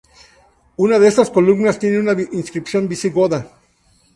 Una de estas columnas tiene una inscripción visigoda.